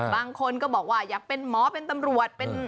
บางคนก็บอกว่าอยากเป็นหมอเป็นตำรวจ